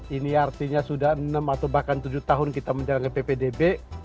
ini artinya sudah enam atau bahkan tujuh tahun kita menjalankan ppdb